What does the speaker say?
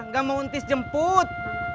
nggak mau untis jemput